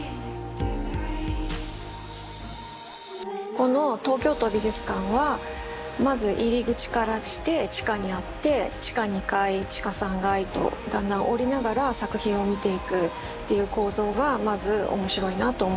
この東京都美術館はまず入り口からして地下にあって地下２階地下３階とだんだん下りながら作品を見ていくという構造がまず面白いなと思いました。